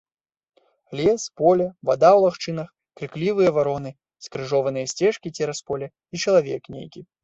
Лес, поле, вада ў лагчынах, крыклівыя вароны, скрыжованыя сцежкі цераз поле, і чалавек нейкі.